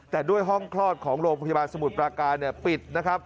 แต่ด้วยห้องคลอดของโรงพยาบาลสมุทรปราการปิดนะครับ